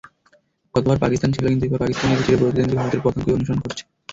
গতবার পাকিস্তান ছিল, কিন্তু এবার পাকিস্তানিরা চিরপ্রতিদ্বন্দ্বী ভারতের পদাঙ্কই অনুসরণ করছে।